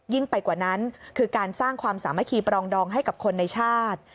ไปกว่านั้นคือการสร้างความสามัคคีปรองดองให้กับคนในชาติ